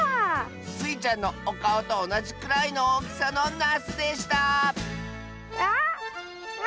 スイちゃんのおかおとおなじくらいのおおきさのなすでしたあまってましたトマト！